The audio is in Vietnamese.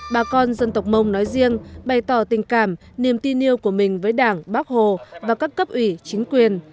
bà con dân tộc mông nói riêng bày tỏ tình cảm niềm tin yêu của mình với đảng bác hồ và các cấp ủy chính quyền